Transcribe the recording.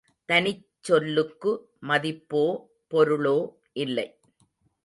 தனிச் சொல்லுக்கு மதிப்போ பொருளோ இல்லை.